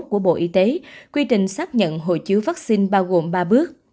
hai nghìn hai mươi một của bộ y tế quy trình xác nhận hộ chiếu vaccine bao gồm ba bước